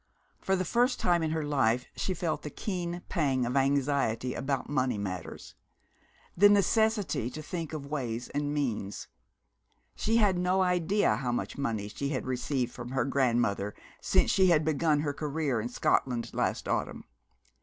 For the first time in her life she felt the keen pang of anxiety about money matters the necessity to think of ways and means. She had no idea how much money she had received from her grandmother since she had begun her career in Scotland last autumn.